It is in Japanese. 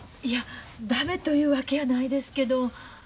いや駄目というわけやないですけど。